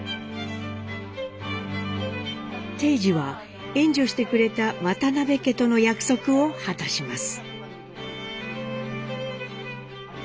貞次は援助してくれた渡邉家との約束を果たします。